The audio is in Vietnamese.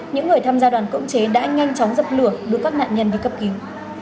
những người tham gia đoàn cưỡng chế đã nhanh chóng dập lửa đưa các nạn nhân đi cấp cứu